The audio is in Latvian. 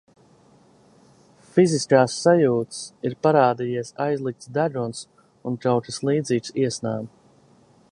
Fiziskās sajūtas - ir parādījies aizlikts deguns un kaut kas līdzīgs iesnām.